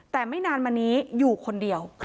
แต่ไม่นานมานี้อยู่คนเดียว